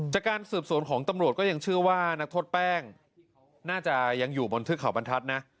จากการสืบสวนของตำรวจก็ยังเชื่อว่านักโทษแป้งน่าจะยังอยู่บนเทือกเขาบรรทัศน์นะ